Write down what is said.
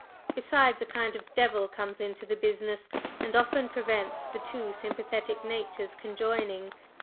Besides, a kind of devil comes into the business, and often prevents the two sympathetic natures conjoining.